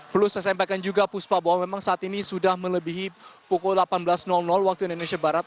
perlu saya sampaikan juga puspa bahwa memang saat ini sudah melebihi pukul delapan belas waktu indonesia barat